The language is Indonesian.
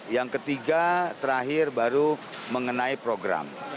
yang ketiga terakhir baru mengenai program